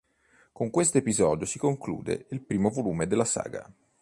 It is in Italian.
Con questo episodio si conclude il primo volume della saga.